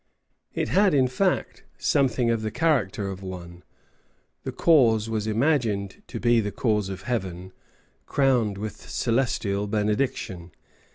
It had, in fact, something of the character of one. The cause was imagined to be the cause of Heaven, crowned with celestial benediction.